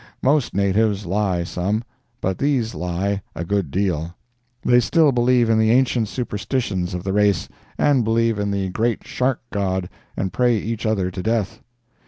Most natives lie some, but these lie a good deal. They still believe in the ancient superstitions of the race, and believe in the Great Shark God and pray each other to death.